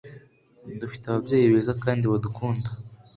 dufite ababyeyi beza kandi badukunda